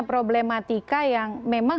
problematika yang memang